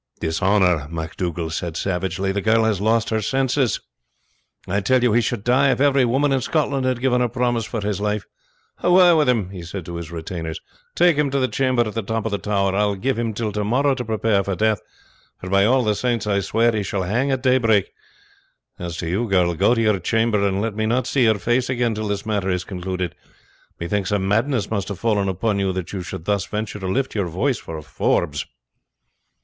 "Dishonour!" MacDougall said savagely; "the girl has lost her senses. I tell you he should die if every woman in Scotland had given her promise for his life. Away with him!" he said to his retainers; "take him to the chamber at the top of the tower; I will give him till tomorrow to prepare for death, for by all the saints I swear he shall hang at daybreak. As to you, girl, go to your chamber, and let me not see your face again till this matter is concluded. Methinks a madness must have fallen upon you that you should thus venture to lift your voice for a Forbes."